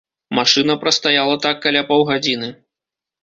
Машына прастаяла так каля паўгадзіны.